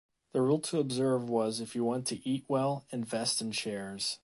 The rule to observe was if you want to eat well, invest in shares.